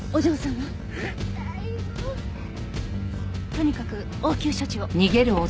とにかく応急処置を。